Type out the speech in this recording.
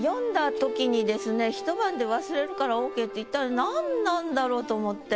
「ひと晩で忘れるからＯＫ」って一体何なんだろう？と思って。